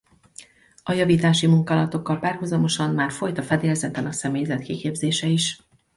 A javítási munkálatokkal párhuzamosan már folyt a fedélzeten a személyzet kiképzése is.